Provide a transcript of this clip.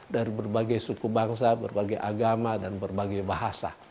dari berbagai suku bangsa berbagai agama dan berbagai bahasa